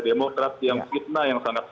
demokrat yang fitnah yang sangat